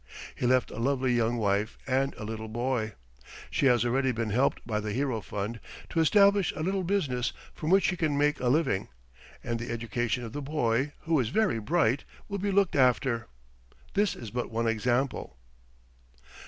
He left a lovely young wife and a little boy. She has already been helped by the Hero Fund to establish a little business from which she can make a living, and the education of the boy, who is very bright, will be looked after. This is but one example.